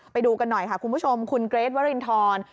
ไปดูกันหน่อยค่ะคุณผู้ชมคุณเกรทวรินทร